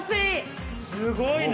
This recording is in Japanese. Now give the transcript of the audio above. すごいね。